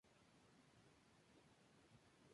La madre de Gerald se llamaba Beatrice.